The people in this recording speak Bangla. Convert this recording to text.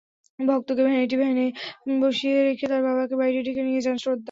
ভক্তকে ভ্যানিটি ভ্যানে বসিয়ে রেখে তার বাবাকে বাইরে ডেকে নিয়ে যান শ্রদ্ধা।